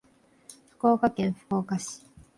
福岡県福岡市